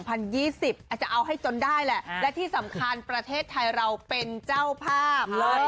อาจจะเอาให้จนได้แหละและที่สำคัญประเทศไทยเราเป็นเจ้าภาพ